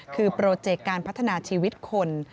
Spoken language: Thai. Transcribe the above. คือโปรเจกต์การพัฒนาชีวิตคน